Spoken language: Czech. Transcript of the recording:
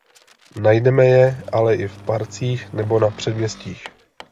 Najdeme je ale i v parcích nebo na předměstích.